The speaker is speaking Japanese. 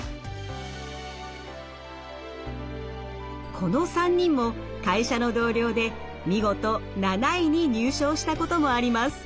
この３人も会社の同僚で見事７位に入賞したこともあります。